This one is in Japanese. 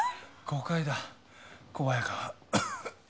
誤解だ小早川。